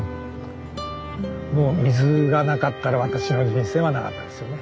もう水がなかったら私の人生はなかったですよね。